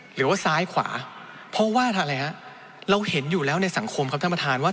หรือว่าซ้ายขวาเพราะว่าอะไรฮะเราเห็นอยู่แล้วในสังคมครับท่านประธานว่า